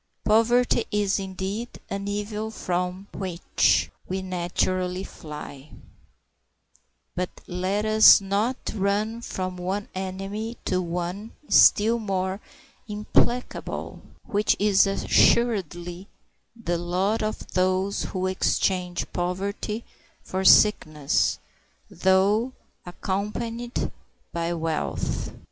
Poverty is, indeed, an evil from which we naturally fly; but let us not run from one enemy to one still more implacable, which is assuredly the lot of those who exchange poverty for sickness, though accompanied by wealth.